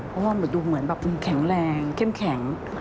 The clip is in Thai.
เพราะว่าเหมือนดูเหมือนแบบแข็งแรงเข้มแข็ง